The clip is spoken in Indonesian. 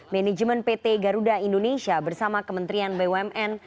manajemen pt garuda indonesia bersama kementerian bumn